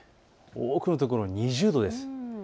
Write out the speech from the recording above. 多くの所、２０度です。